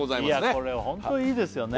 これホントいいですよね